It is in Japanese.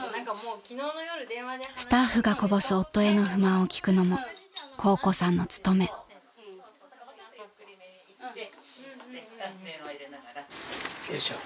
［スタッフがこぼす夫への不満を聞くのも香子さんの務め］よいしょ。